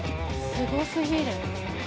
すごすぎる。